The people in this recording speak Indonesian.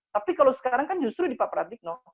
tapi kalau sekarang kan justru di pak pratikno